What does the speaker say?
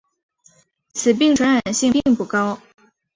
此病传染性并不高。